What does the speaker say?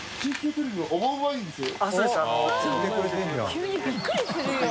急にびっくりするよ。